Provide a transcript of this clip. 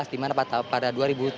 dimana pada dua ribu sepuluh